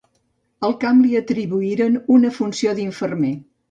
Al camp li atribuïren una funció d'infermer.